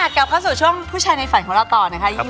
กลับเข้าสู่ช่วงผู้ชายในฝันของเราต่อนะคะ